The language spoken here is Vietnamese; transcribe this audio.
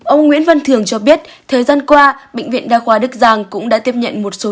ông nguyễn văn thường cho biết thời gian qua bệnh viện đa khoa đức giang cũng đã tiếp nhận một số